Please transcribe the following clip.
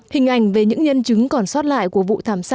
hình ảnh về những nhân chứng còn sót lại của vụ thảm sát